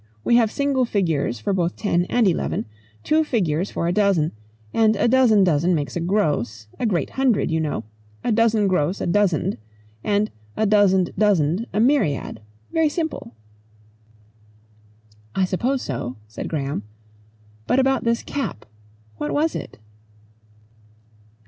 We have single figures for both ten and eleven, two figures for a dozen, and a dozen dozen makes a gross, a great hundred, you know, a dozen gross a dozand, and a dozand dozand a myriad. Very simple?" "I suppose so," said Graham. "But about this cap what was it?"